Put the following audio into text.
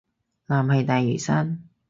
藍係大嶼山